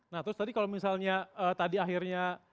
nah terus tadi kalau misalnya tadi akhirnya